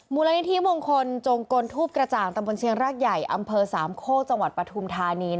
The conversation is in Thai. มูลนิธิมงคลจงกลทูปกระจ่างตำบลเชียงรากใหญ่อำเภอสามโคกจังหวัดปฐุมธานี